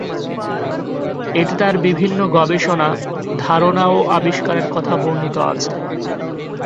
এতে তার বিভিন্ন গবেষণা, ধারণা ও আবিষ্কারের কথা বর্ণিত আছে।